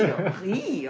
いいよ！